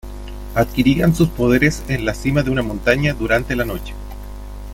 Adquirían sus poderes en la cima de una montaña durante la noche.